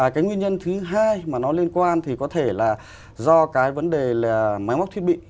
cái nguyên nhân thứ hai mà nó liên quan thì có thể là do cái vấn đề máy móc thiết bị